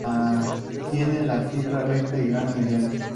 Tiene la fibra recta y grano mediano.